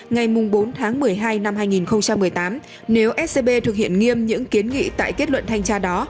ngày bốn tháng một mươi hai năm hai nghìn một mươi tám nếu scb thực hiện nghiêm những kiến nghị tại kết luận thanh tra đó